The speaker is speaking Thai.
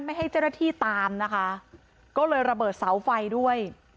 ไม่ให้เจ้าหน้าที่ตามนะคะก็เลยระเบิดเสาไฟด้วย